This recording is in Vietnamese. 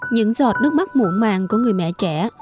những giọt nước mắt muộn màng của người mẹ trẻ